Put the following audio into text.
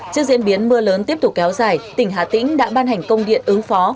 trước diễn biến mưa lớn tiếp tục kéo dài tỉnh hà tĩnh đã ban hành công điện ứng phó